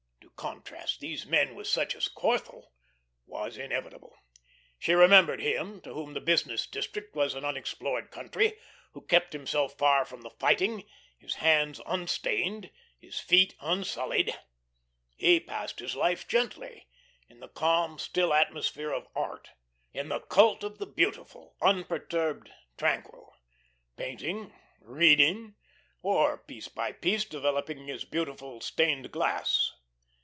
To contrast these men with such as Corthell was inevitable. She remembered him, to whom the business district was an unexplored country, who kept himself far from the fighting, his hands unstained, his feet unsullied. He passed his life gently, in the calm, still atmosphere of art, in the cult of the beautiful, unperturbed, tranquil; painting, reading, or, piece by piece, developing his beautiful stained glass.